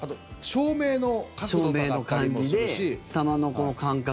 照明の感じで球の感覚が。